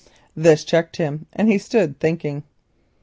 This checked him, and he stood thinking.